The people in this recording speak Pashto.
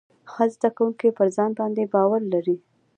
ښه زده کوونکي پر ځان باندې باور لري.